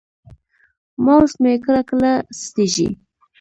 ماوس مې کله کله سستېږي.